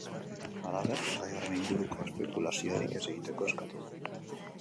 Halaber, gai horren inguruko espekulaziorik ez egiteko eskatu du.